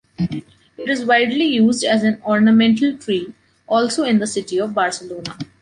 It is widely used as an ornamental tree, also in the city of Barcelona.